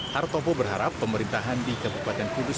hartopo berharap pemerintahan di kabupaten kudus